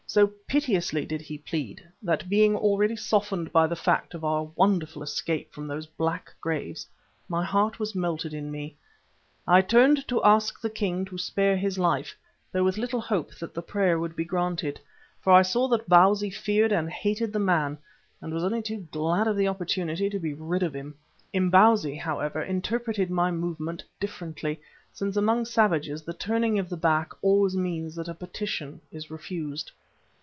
So piteously did he plead, that being already softened by the fact of our wonderful escape from those black graves, my heart was melted in me. I turned to ask the king to spare his life, though with little hope that the prayer would be granted, for I saw that Bausi feared and hated the man and was only too glad of the opportunity to be rid of him. Imbozwi, however, interpreted my movement differently, since among savages the turning of the back always means that a petition is refused.